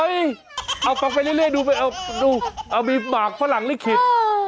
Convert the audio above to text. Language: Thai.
เอ๊ยเอาไปเรื่อยดูเอามีหมากฝรั่งลิขิต